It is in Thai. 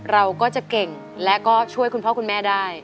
เราก็จะเก่งและก็ช่วยคุณพ่อคุณแม่ได้